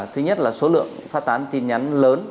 thứ nhất là số lượng phát tán tin nhắn lớn